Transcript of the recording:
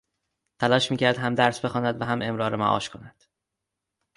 تلاش میکرد هم درس بخواند و هم امرار معاش کند.